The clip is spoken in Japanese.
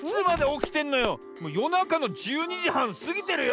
もうよなかの１２じはんすぎてるよ！